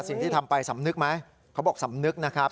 สิ่งที่ทำไปสำนึกไหมเขาบอกสำนึกนะครับ